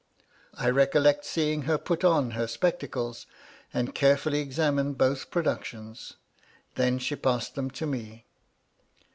I recollect seeing her put on her spectacles, and carefully ex amine both productions. Then she passed them to me.